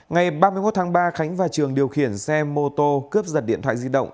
ngày ba mươi một tháng ba khánh và trường điều khiển xe mô tô cướp giật điện thoại di động